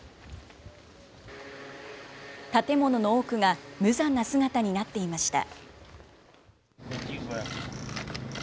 建物の多くが無残な姿になっていました。